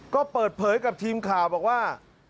ก็เปิดเผยกับทีมข่าวบอกว่า